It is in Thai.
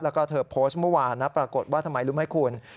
แล้วก็เธอโพสต์เมื่อวานนะปรากฏว่าทำไมรู้ไหมคุณ